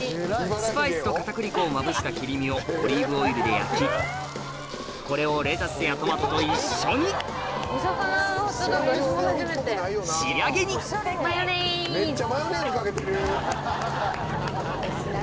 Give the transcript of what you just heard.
スパイスと片栗粉をまぶした切り身をオリーブオイルで焼きこれをレタスやトマトと一緒に仕上げにマヨネーズ！